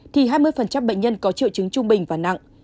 thì hai mươi bệnh nhân có triệu chứng trung bình và nặng